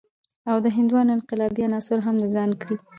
او د هندوانو انقلابي عناصر هم د ځان کړي.